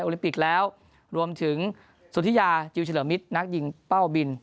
ลิปิกแล้วรวมถึงสุธิยาจิลเฉลิมมิตรนักยิงเป้าบิน